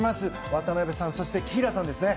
渡辺さんそして紀平さんですね。